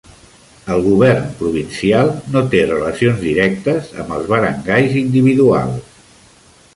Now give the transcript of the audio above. El govern provincial no té relacions directes amb els barangays individuals.